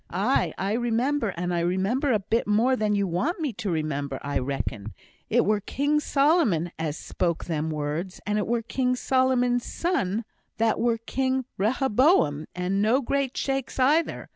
"Aye, I remember; and I remember a bit more than you want me to remember, I reckon. It were King Solomon as spoke them words, and it were King Solomon's son that were King Rehoboam, and no great shakes either.